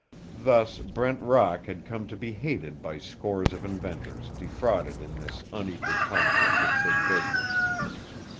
Thus Brent Rock had come to be hated by scores of inventors defrauded in this unequal conflict with big business.